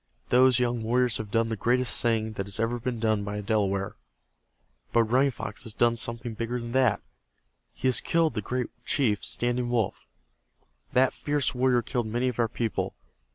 Those young warriors have done the greatest thing that has ever been done by a Delaware. But Running Fox has done something bigger than that. He has killed the great chief Standing Wolf. That fierce warrior killed many of our people.